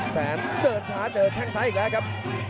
แสนเดินช้าเจอแข้งซ้ายอีกแล้วครับ